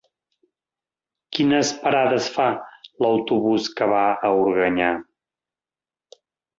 Quines parades fa l'autobús que va a Organyà?